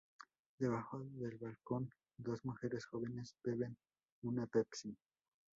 Debajo del balcón, dos mujeres jóvenes beben una Pepsi.